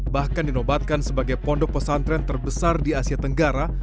bahkan dinobatkan sebagai pondok pesantren terbesar di asia tenggara